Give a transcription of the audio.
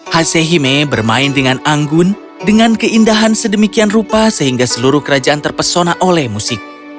hasehime bermain dengan anggun dengan keindahan sedemikian rupa sehingga seluruh kerajaan terpesona oleh musik